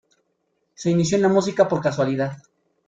Se inició en la música por casualidad.